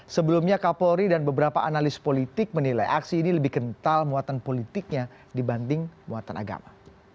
sebelumnya kapolri dan beberapa analis politik menilai aksi ini lebih kental muatan politiknya dibanding muatan agama